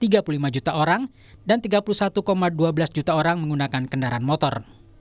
tiga puluh lima juta orang dan tiga puluh satu dua belas juta orang menggunakan kendaraan motor